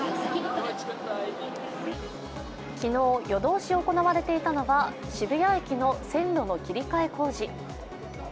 昨日、夜通し行われていたのは渋谷駅の線路の切り替え工事。